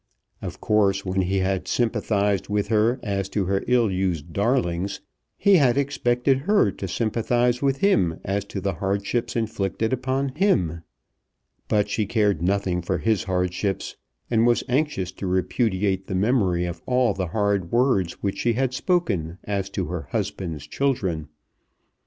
Of course when he had sympathized with her as to her ill used darlings he had expected her to sympathize with him as to the hardships inflicted upon him. But she cared nothing for his hardships, and was anxious to repudiate the memory of all the hard words which she had spoken as to her husband's children.